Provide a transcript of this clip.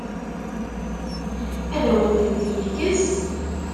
Ad awen-tent-yekkes?